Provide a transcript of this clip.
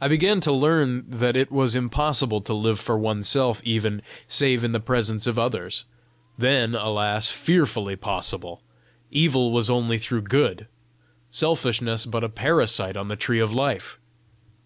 I began to learn that it was impossible to live for oneself even, save in the presence of others then, alas, fearfully possible! evil was only through good! selfishness but a parasite on the tree of life!